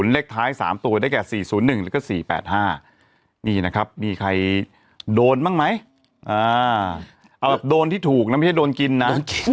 เลขท้าย๓ตัวได้แก่๔๐๑แล้วก็๔๘๕นี่นะครับมีใครโดนบ้างไหมโดนที่ถูกนะไม่ใช่โดนกินนะ